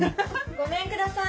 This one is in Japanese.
・ごめんください